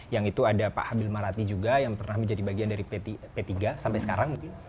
yang itu ada pak habil marathi juga yang pernah menjadi bagian dari p tiga sampai sekarang mungkin